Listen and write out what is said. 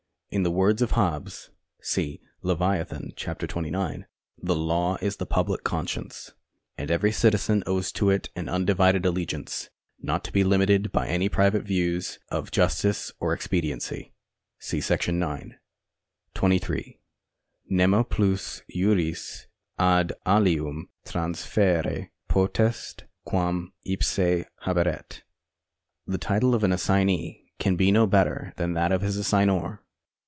In the words of Hobbes (Leviathan, eh. 29), " the law is the public conscience," and every citizen owes to it an undivided allegiance, not to be limited by any private views of justice or expediency. See § 9. 23. Nemo plus juris ad alium transferre potest, quam ipse. HABERET. D. 50. 17. 54. The title of an assignee can be no better than that of his assignor.